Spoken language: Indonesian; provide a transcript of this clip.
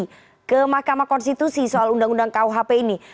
untuk bisa mengajukan gugatan uji materi ke mahkamah konstitusi soal undang undang rkuhp ini